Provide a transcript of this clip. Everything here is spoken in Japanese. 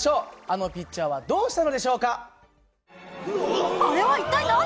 あのピッチャーはどうしたのでしょうか？